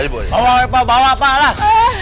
bawa pak bawa pak lah